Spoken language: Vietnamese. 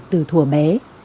từ thủa bé